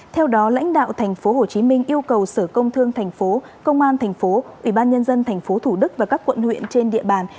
theo đó lãnh đạo tp hcm yêu cầu sở công thương tp công an tp ubnd tp thủ đức và các quận huyện trên địa bàn